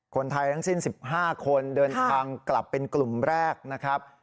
คนไทยทั้งสิ้น๑๕คนเดินทางกลับเป็นกลุ่มแรกนะครับ